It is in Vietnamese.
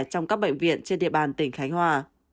trong các bệnh viện trên địa bàn tỉnh khánh hòa